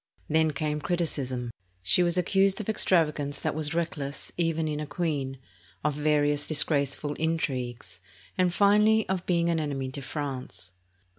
Then came criticism. She was accused of extrava gance that was reckless even in a queen, of various disgrace ful intrigues, and finally of being an enemy to France.